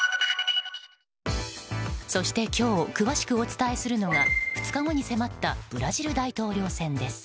そして、今日詳しくお伝えするのが２日後に迫ったブラジル大統領選です。